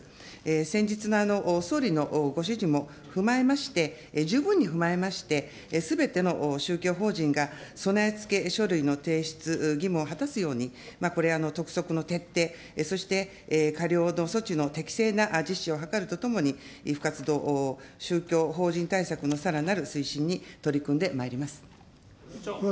先日の総理のご指示も踏まえまして、十分に踏まえまして、すべての宗教法人が備えつけ書類の提出義務を果たすように、これ、督促の徹底、そして過料の措置の適正な実施を図るとともに、不活動宗教法人対策のさらなる推進に取り組んでまいります。